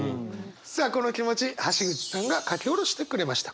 さあこの気持ち橋口さんが書き下ろしてくれました。